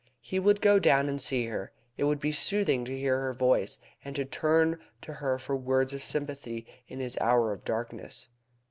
He would go down and see her. It would be soothing to hear her voice, and to turn to her for words of sympathy in this his hour of darkness.